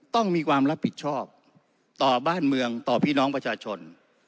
ต้องมีความรับผิดชอบต่อบ้านเมืองต่อพี่น้องประชาชน